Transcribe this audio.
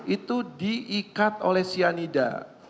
itu diikat oleh cyanida